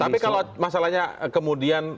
tapi kalau masalahnya kemudian